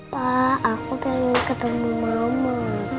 pak aku pengen ketemu mama